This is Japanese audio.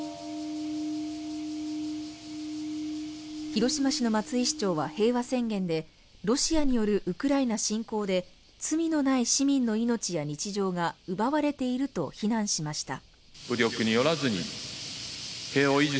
広島市の松井市長は平和宣言でロシアによるウクライナ侵攻で罪のない市民の命や日常が奪われていると非難しました。